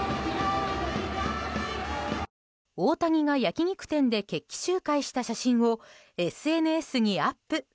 大谷が焼き肉店で決起集会した写真をＳＮＳにアップ。